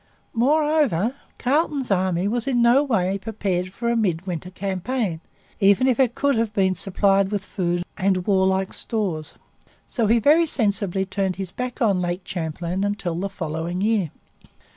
Moreover, Carleton's army was in no way prepared for a midwinter campaign, even if it could have been supplied with food and warlike stores. So he very sensibly turned his back on Lake Champlain until the following year.